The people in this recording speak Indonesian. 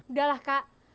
udah lah kak